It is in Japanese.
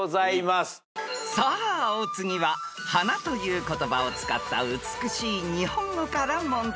［さあお次は「花」という言葉を使った美しい日本語から問題］